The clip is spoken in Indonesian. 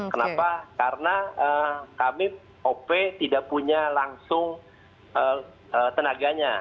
kenapa karena kami op tidak punya langsung tenaganya